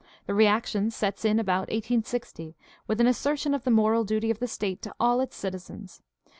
The reaction sets in about i860 with an assertion of the moral duty of the state to all its citizens.